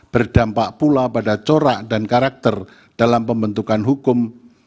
berdampak pula pada corak dan karakter dalam pembentukan hukum